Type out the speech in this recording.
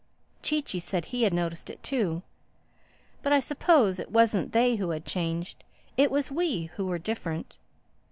Chee Chee said he had noticed it too. But I suppose it wasn't they who had changed; it was we who were different.